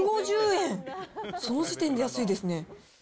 その時点で安いですね。